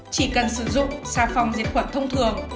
chỉ cần sử dụng xà phòng diệt khuẩn thông thường